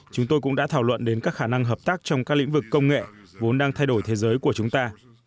chúng tôi cũng đã thảo luận đến các khả năng hợp tác trong các lĩnh vực công nghệ vốn đang thay đổi thế giới của chúng ta